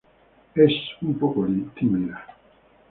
Es un poco tímida.